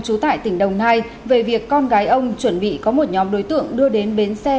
trú tại tỉnh đồng nai về việc con gái ông chuẩn bị có một nhóm đối tượng đưa đến bến xe